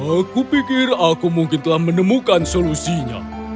aku pikir aku mungkin telah menemukan solusinya